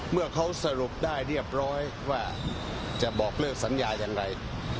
เมื่อเขาสรุปได้เรียบร้อยว่าจะบอกเลิกสัญญาอย่างไร